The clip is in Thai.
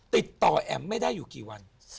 ติดต่อแอมไม่ได้อยู่กี่วัน